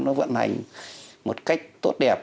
nó vận hành một cách tốt đẹp